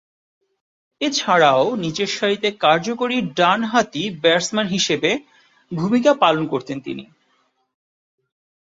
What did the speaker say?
এছাড়াও নিচেরসারিতে কার্যকরী ডানহাতি ব্যাটসম্যান হিসেবে ভূমিকা পালন করতেন তিনি।